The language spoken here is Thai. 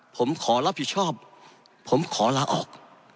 ผมขอรับผิดชอบผมขอลาออก